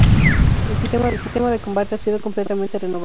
El sistema de combate ha sido completamente renovado.